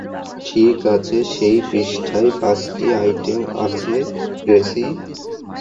ঠিক আছে, সেই পৃষ্ঠায় পাঁচটি আইটেম আছে, গ্রেসি।